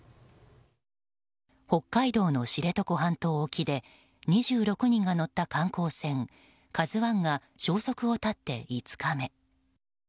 北海道の知床半島沖で２６人が乗った観光船「ＫＡＺＵ１」が消息を絶って５日目。